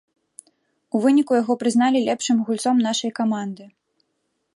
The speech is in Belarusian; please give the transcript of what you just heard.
У выніку яго прызналі лепшым гульцом нашай каманды.